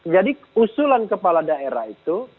jadi usulan kepala daerah itu